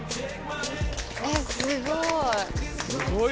えっすごい。